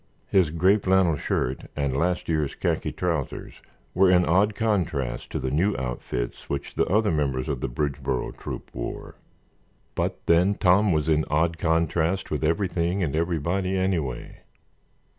His gray flannel shirt and last year's khaki trousers were in odd contrast to the new outfits which the other members of the Bridgeboro Troop wore. But then Tom was in odd contrast with everything and everybody anyway.